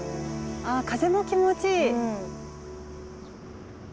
ああ風も気持ちいい。